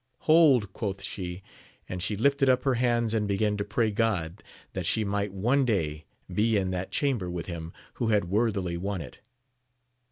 Hold ! quoth she, and she lifted up her hands and began to pray God that she might one day be in that cham ber with him who had worthily won it.